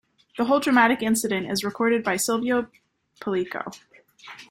The whole dramatic incident is recorded by Silvio Pellico.